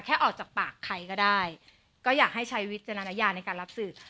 ออกจากปากใครก็ได้ก็อยากให้ใช้วิจารณญาในการรับสื่อ